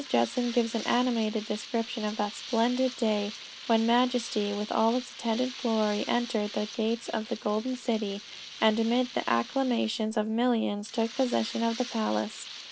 Judson gives an animated description of that splendid day, when majesty with all its attendant glory entered the gates of the golden city, and amid the acclamations of millions, took possession of the palace.